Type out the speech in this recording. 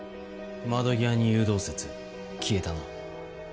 窓際に誘導説消えたな。